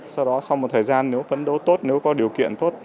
sau đó sau một thời gian nếu phấn đấu tốt nếu có điều kiện tốt